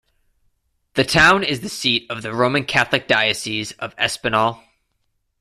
The town is the seat of the Roman Catholic Diocese of Espinal.